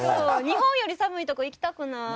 日本より寒いとこ行きたくない。